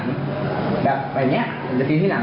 ผมก็บอกเอาอีกได้ครับ